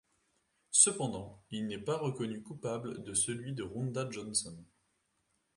Cependant il n'est pas reconnu coupable de celui de Rhonda Johnson.